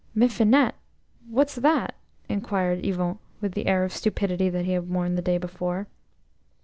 "'Mifinet'–what's that?" inquired Yvon with the air of stupidity that he had worn the day before.